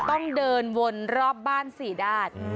ต้องเดินวนรอบบ้านสี่ดาด